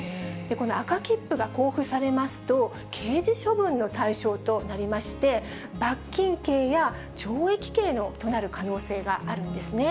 この赤切符が交付されますと、刑事処分の対象となりまして、罰金刑や懲役刑となる可能性があるんですね。